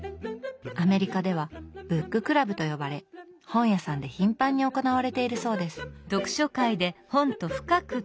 アメリカでは「ブッククラブ」と呼ばれ本屋さんで頻繁に行われているそうです。